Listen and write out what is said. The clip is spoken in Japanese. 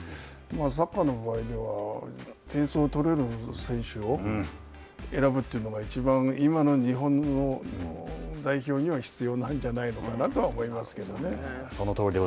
サッカーの場合では点数を取れる選手を選ぶというのがいちばん、今の日本の代表には必要なんじゃないのかなとは思いますけどね。